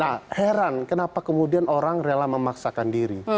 nah heran kenapa kemudian orang rela memaksakan diri